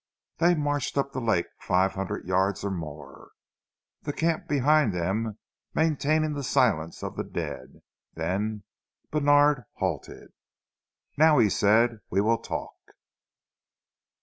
They marched up the lake five hundred yards or more, the camp behind them maintaining the silence of the dead, then Bènard halted. "Now," he said, "we weel talk!"